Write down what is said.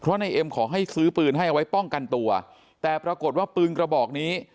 เพราะนายเอ็มขอให้ซื้อปืนให้เอาไว้ป้องกันตัวแต่ปรากฏว่าปืนกระบอกนี้